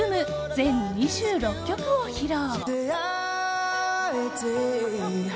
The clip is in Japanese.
全２６曲を披露。